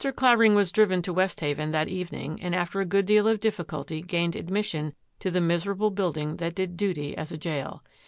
Clavering was driven to Westhaven that evening, and after a good deal of difficulty gained admission to the miserable building that did duty as a jail.